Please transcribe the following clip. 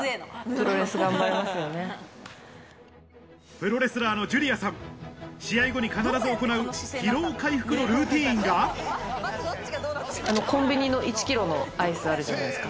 プロレスラーのジュリアさん試合後に必ず行う疲労回復のルーティンがコンビニの１ｋｇのアイスあるじゃないですか。